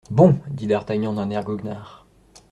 Bon ! dit d'Artagnan d'un air goguenard.